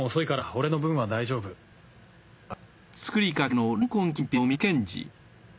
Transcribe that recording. あっ。